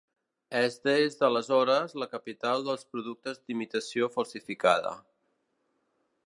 És des d'aleshores la capital dels productes d'imitació falsificada.